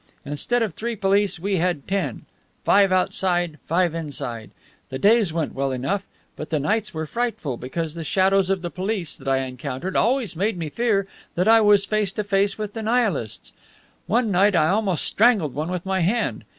Instead of three police, we had ten; five outside, five inside. The days went well enough, but the nights were frightful, because the shadows of the police that I encountered always made me fear that I was face to face with the Nihilists. One night I almost strangled one with my hand.